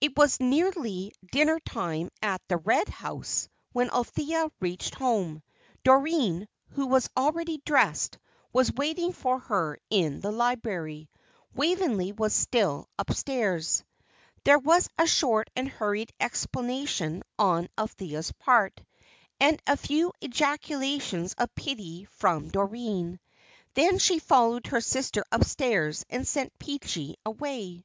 It was nearly dinner time at the Red House when Althea reached home. Doreen, who was already dressed, was waiting for her in the library. Waveney was still upstairs. There was a short and hurried explanation on Althea's part, and a few ejaculations of pity from Doreen. Then she followed her sister upstairs and sent Peachy away.